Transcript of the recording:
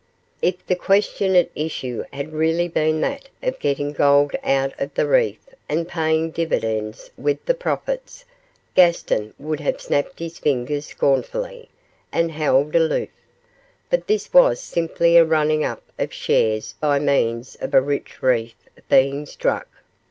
If the question at issue had really been that of getting gold out of the reef and paying dividends with the profits, Gaston would have snapped his fingers scornfully, and held aloof; but this was simply a running up of shares by means of a rich reef being struck.